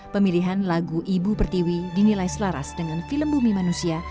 pemilihan lagu ibu pertiwi dinilai selaras dengan film bumi manusia